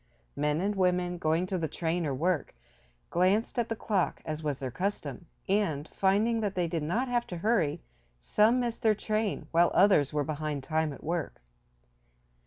Men and women, going to the train or work, glanced at the clock, as was their custom, and, finding that they did not have to hurry some missed their train, while others were behind time at work.